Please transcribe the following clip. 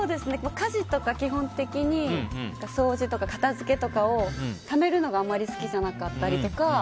家事とか、基本的に掃除とか片付けとかをためるのがあまり好きじゃなかったりとか。